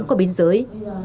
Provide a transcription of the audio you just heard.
qua bến giới